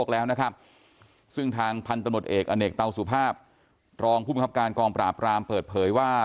แล้วนะครับซึ่งทางพันธมตเอกอเนกเตาสุภาพรองผู้บังคับการกองปราบรามเปิดเผยว่า